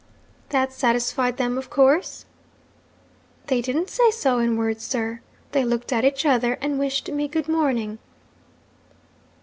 "' 'That satisfied them, of course?' 'They didn't say so in words, sir. They looked at each other and wished me good morning.'